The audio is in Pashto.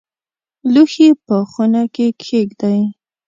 لوښي په خونه کې کښېږدئ